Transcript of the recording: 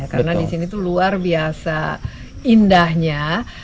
karena di sini itu luar biasa indahnya